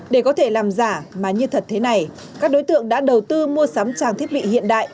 để có thể làm giả mà như thật thế này các đối tượng đã đầu tư mua sắm trang thiết bị hiện đại